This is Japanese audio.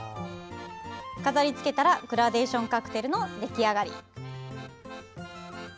飾り付けたらグラデーションカクテルの出来上がり！